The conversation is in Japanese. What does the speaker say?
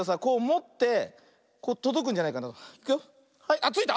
あっついた。